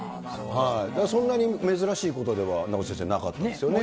だから、そんなに珍しいことでは、名越先生、なかったんですよね？